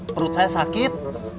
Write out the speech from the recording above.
perut saya sakit